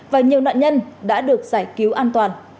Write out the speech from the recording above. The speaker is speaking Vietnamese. và nhiều nạn nhân đã được giải cứu an toàn